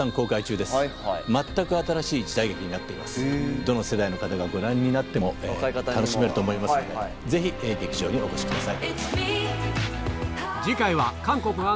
どの世代の方がご覧になっても楽しめると思いますんでぜひ劇場にお越しください。